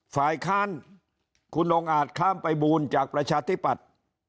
ฝ่ายค้านคุณองค์อาจค้ามไปบูลจากประชาธิปัตย์